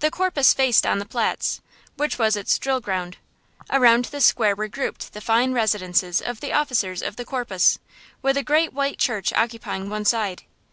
The Korpus faced on the Platz, which was its drill ground. Around the square were grouped the fine residences of the officers of the Korpus, with a great white church occupying one side.